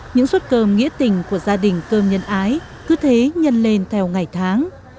những suất cơm nghĩa tình của gia đình cơm nhân ái cứ thế nhân lên theo ngày tháng